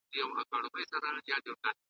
ورته ضرور دي دا دواړه توکي `